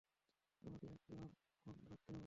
আমাকে এখন ফোন রাখতে হবে।